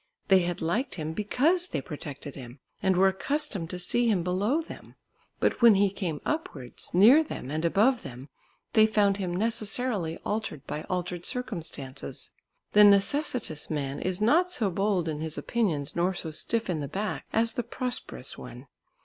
They had liked him, because they protected him and were accustomed to see him below them. But when he came upwards, near them and above them, they found him necessarily altered by altered circumstances. The necessitous man is not so bold in his opinions nor so stiff in the back as the prosperous one.